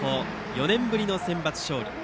４年ぶりのセンバツ勝利。